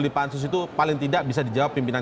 di pansus itu paling tidak bisa dijawab pimpinan